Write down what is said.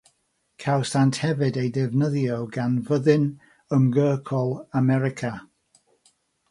Cawsant hefyd eu defnyddio gan Fyddin Ymgyrchol America.